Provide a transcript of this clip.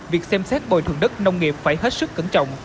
việc xem xét bồi thường đất nông nghiệp phải hết sức cẩn trọng